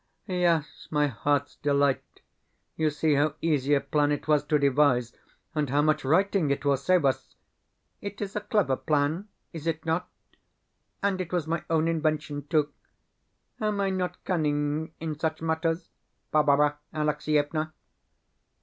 Yes, my heart's delight, you see how easy a plan it was to devise, and how much writing it will save us! It is a clever plan, is it not? And it was my own invention, too! Am I not cunning in such matters, Barbara Alexievna?